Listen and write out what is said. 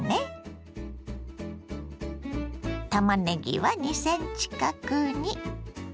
たまねぎは２ｃｍ角に。